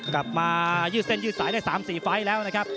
กลับมายืดเส้นยืดสายได้๓๔ไฟล์แล้วนะครับ